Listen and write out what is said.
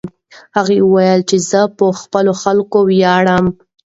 هغه وویل چې زه په خپلو خلکو ویاړم.